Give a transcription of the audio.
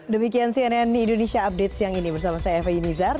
demikian cnn indonesia update siang ini bersama saya eva yunizar